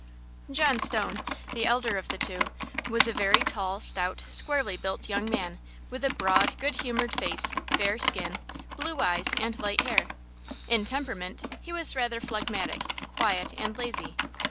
John Stone, the elder of the two, was a very tall, stout, squarely built young man, with a broad, good humored face, fair skin, blue eyes and light hair. In temperament he was rather phlegmatic, quiet and lazy.